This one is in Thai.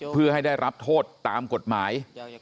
เพื่อให้ได้รับโทษตามกฎหมาย